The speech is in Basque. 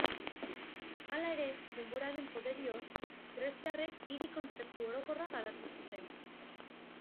Hala ere, denboraren poderioz, greziarrek hiri-kontzeptu orokorra garatu zuten.